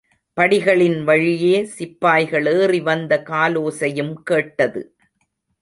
படிகளின் வழியே சிப்பாய்கள் ஏறிவந்த காலோசையும் கேட்டது!